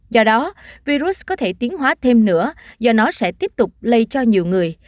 do đó virus có thể tiến hóa thêm nữa do nó sẽ tiếp tục lây cho nhiều người